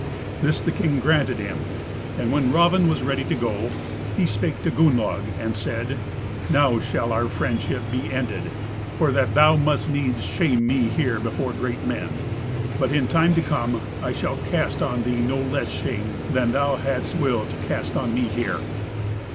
This the king granted him. And when Raven was ready to go, he spake to Gunnlaug, and said, "Now shall our friendship be ended, for that thou must needs shame me here before great men; but in time to come I shall cast on thee no less shame than thou hadst will to cast on me here."